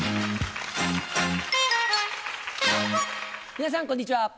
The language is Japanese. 皆さんこんにちは。